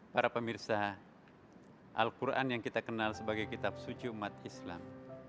para pemirsa al quran yang kita kenal sebagai kitab suci umat islam